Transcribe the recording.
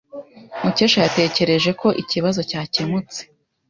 Mukesha yatekereje ko ikibazo cyakemutse.